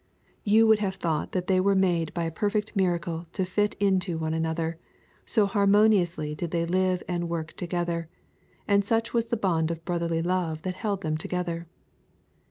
You would have thought that they were made by a perfect miracle to fit into one another, so harmoniously did they live and work together, and such was the bond of brotherly love that held them together.